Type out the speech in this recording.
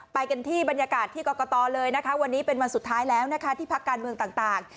ไปกันที่บรรยากาศที่กรกตเลยนะคะวันนี้เป็นวันสุดท้ายแล้วนะคะที่พักการเมืองต่าง